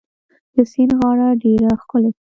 د سیند غاړه ډيره ښکلې